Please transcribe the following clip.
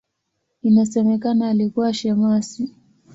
Inasemekana alikuwa shemasi.